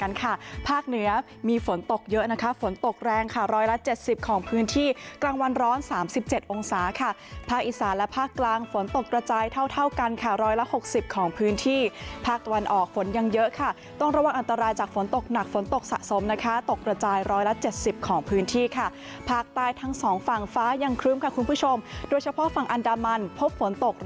เยอะนะคะฝนตกแรงค่ะรอยละ๗๐ของพื้นที่กลางวันร้อน๓๗องศาค่ะภาคอีสานและภาคกลางฝนตกระจายเท่ากันค่ะรอยละ๖๐ของพื้นที่ภาคตะวันออกฝนยังเยอะค่ะต้องระวังอันตรายจากฝนตกหนักฝนตกสะสมนะคะตกระจายรอยละ๗๐ของพื้นที่ค่ะภาคใต้ทั้ง๒ฝั่งฟ้ายังครึ้มค่ะคุณผู้ชมโดยเฉพาะฝ